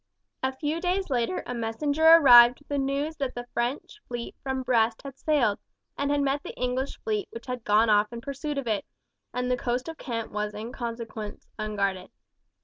A few days later a messenger arrived with the news that the French fleet from Brest had sailed, and had met the English fleet which had gone off in pursuit of it, and the coast of Kent was in consequence unguarded.